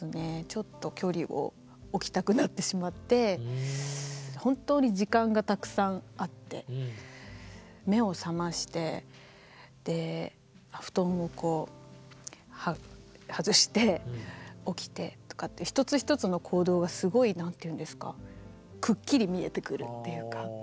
ちょっと距離を置きたくなってしまって本当に時間がたくさんあって目を覚ましてで布団をはずして起きてとかっていう一つ一つの行動がすごい何ていうんですかくっきり見えてくるっていうか